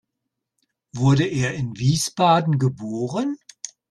Wurde er in Wiesbaden geboren?